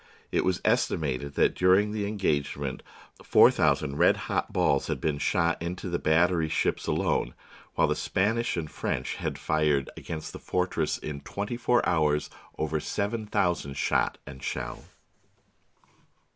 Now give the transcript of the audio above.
It was estimated that during the engagement four thou sand red hot balls had been shot into the battery ships alone, while the Spanish and French had fired CO 00 o o m w 2 THE SIEGE OF GIBRALTAR against the fortress in twenty four hours over seven thousand shot and shell.